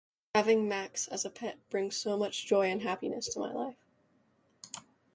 Having Max as a pet brings so much joy and happiness to my life.